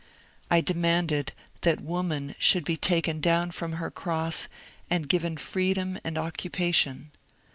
I demanded that woman should be taken down from her cross and given freedom and occu pation.